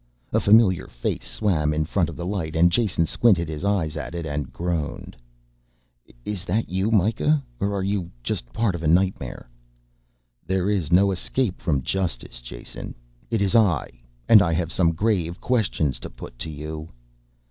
A familiar face swam in front of the light and Jason squinted his eyes at it and groaned. "Is that you Mikah or are you just part of a nightmare?" "There is no escape from justice, Jason. It is I, and I have some grave questions to put to you."